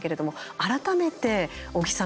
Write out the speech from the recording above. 改めて尾木さん